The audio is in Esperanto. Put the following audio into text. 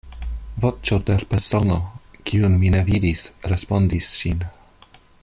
Voĉo de persono, kiun mi ne vidis, respondis ŝin.